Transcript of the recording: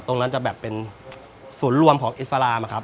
ตรงนั้นจะแบบเป็นศูนย์รวมของอิสลามอะครับ